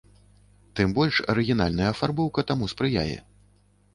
Тым больш арыгінальная афарбоўка таму спрыяе.